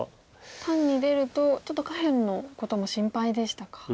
単に出るとちょっと下辺のことも心配でしたか。